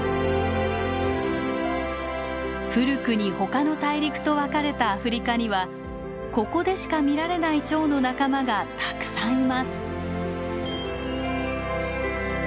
古くに他の大陸と分かれたアフリカにはここでしか見られないチョウの仲間がたくさんいます。